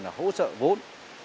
để hỗ trợ vốn